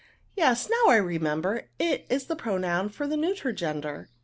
Yes ; now I remember it is the pro noun for the neuter gender."